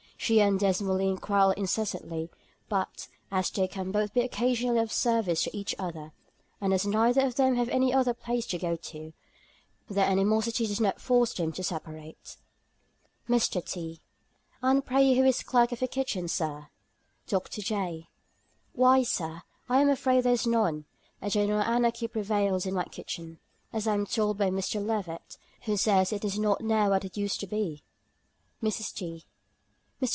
She and Desmoulins quarrel incessantly; but as they can both be occasionally of service to each other, and as neither of them have any other place to go to, their animosity does not force them to separate." ... MR. T. "And pray who is clerk of your kitchen, Sir?" DR. J. "Why, Sir, I am afraid there is none; a general anarchy prevails in my kitchen, as I am told by Mr. Levett, who says it is not now what it used to be." MRS. T. "Mr.